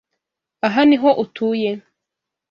Aha niho utuye?